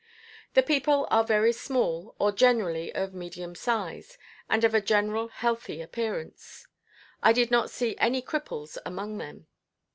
The people are very small or generally of medium size, and of a general healthy appearance. I did not see any cripples among them.